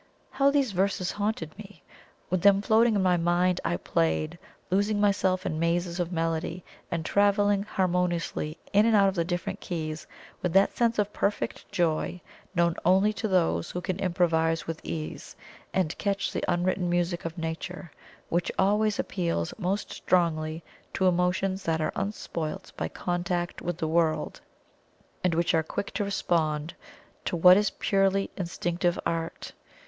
How these verses haunted me! With them floating in my mind, I played losing myself in mazes of melody, and travelling harmoniously in and out of the different keys with that sense of perfect joy known only to those who can improvise with ease, and catch the unwritten music of nature, which always appeals most strongly to emotions that are unspoilt by contact with the world, and which are quick to respond to what is purely instinctive art.